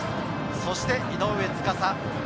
そして井上斗嵩。